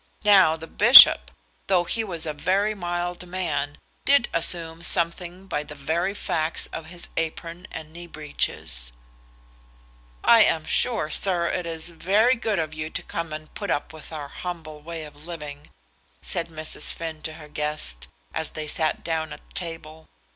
Now the bishop, though he was a very mild man, did assume something by the very facts of his apron and knee breeches. "I am sure, sir, it is very good of you to come and put up with our humble way of living," said Mrs. Finn to her guest, as they sat down at table.